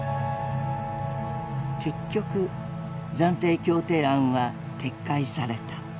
結局暫定協定案は撤回された。